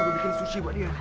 gue bikin suci buat dia